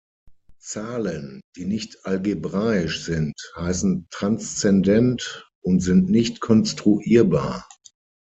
Zahlen, die nicht algebraisch sind, heißen transzendent und sind nicht konstruierbar.